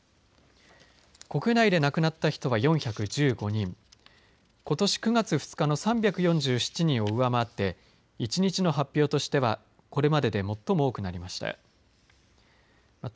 国内で亡くなった人は４１５人ことし９月２日の３４７人を上回って１日の発表としてはこれまでで最も多くなりました。